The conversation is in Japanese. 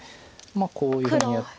こういうふうにやって。